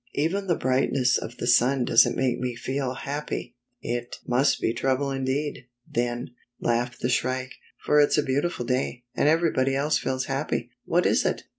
" Even the brightness of the sun doesn't make me feel happy." '' It must be trouble indeed, then," laughed the Shrike, " for it's a beautiful day, and everybody else feels happy. What is it?"